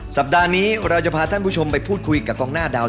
สัปดาห์นี้เราจะพาท่านผู้ชมไปพูดคุยกับกองหน้าดาว